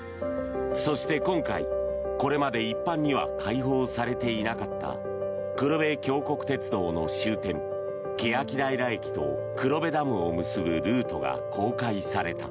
そして今回、これまで一般には開放されていなかった黒部峡谷鉄道の終点欅平駅と黒部ダムを結ぶルートが公開された。